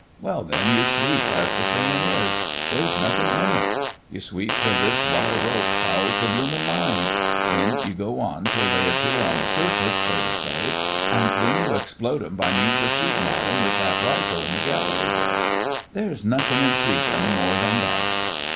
Well, then you sweep, as the sayin' is. There's nothin' in it. You sweep till this wire rope fouls the bloomin' mines. Then you go on till they appear on the surface, so to say, and then you explode them by means of shootin' at 'em with that rifle in the gallery there. There's nothin' in sweepin' more than that."